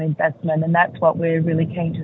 dan itu yang kami ingin lihat